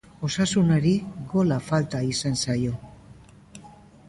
Osasunari gola falta izan zaio.